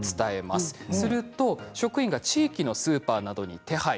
すると職員が地域のスーパーなどに手配。